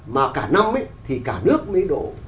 mà cả năm ấy thì cả nước mới đổ